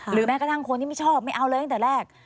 แม้กระทั่งคนที่ไม่ชอบไม่เอาเลยตั้งแต่แรก